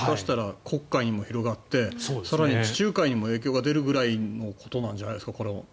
黒海にも広がって更に地中海にも影響が出るくらいのことなんじゃないですか。